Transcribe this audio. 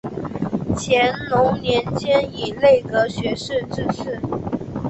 乾隆年间以内阁学士致仕。